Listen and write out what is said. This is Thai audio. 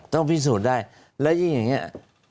ต้องพิสูจน์ได้แล้วยิ่งอย่างนี้